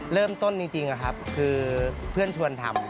เริ่มต้นจริงครับคือเพื่อนชวนทำ